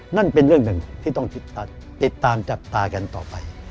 นั่นเป็นเรื่องหนึ่งที่ต้องติดตามจับตากันต่อไป